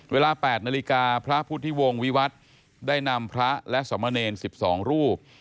เวลา๘นาฬิกาพระพุทธิวงศ์วิวัฒน์ได้นำพระและสมเนร๑๒รูป